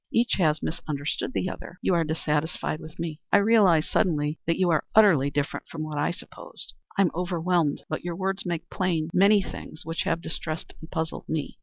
Each has misunderstood the other. You are dissatisfied with me; I realize suddenly that you are utterly different from what I supposed. I am overwhelmed, but your words make plain many things which have distressed and puzzled me."